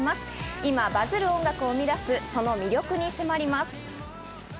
今バズる音楽を生み出すその魅力に迫ります。